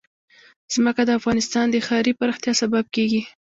ځمکه د افغانستان د ښاري پراختیا سبب کېږي.